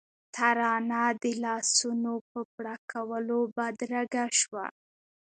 ترانه د لاسونو په پړکولو بدرګه شوه.